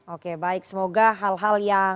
oke baik semoga hal hal yang